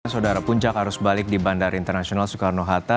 saudara puncak arus balik di bandara internasional soekarno hatta